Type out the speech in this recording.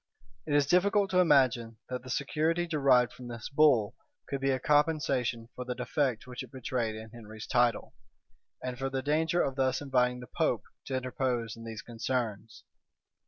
It is difficult to imagine that the security derived from this bull could be a compensation for the defect which it betrayed in Henry's title, and for the danger of thus inviting the pope to interpose in these concerns.